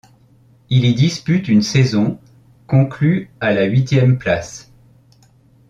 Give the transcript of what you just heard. Il y dispute une saison, conclue à la huitième place.